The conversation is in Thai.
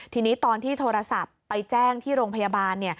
ทีนี้ตอนที่โทรศัพท์ไปแจ้งที่โรงพยาบาล